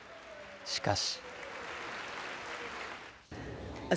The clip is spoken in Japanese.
しかし。